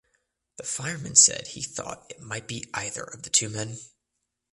The fireman said he thought it might be either of the two men.